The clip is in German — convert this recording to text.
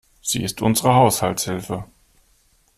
Sie ist unsere Haushaltshilfe.